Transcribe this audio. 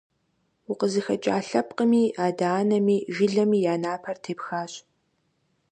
УкъызыхэкӀа лъэпкъыми, адэ анэми, жылэми я напэр тепхащ.